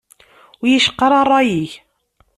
Ur iy-icqa ara rray-ik.